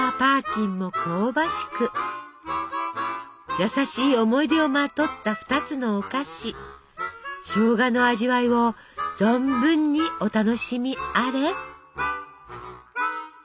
優しい思い出をまとった２つのお菓子しょうがの味わいを存分にお楽しみあれ！